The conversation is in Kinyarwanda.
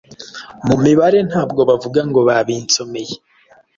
mu mibare ntabwo bavuga ngo babinsomeye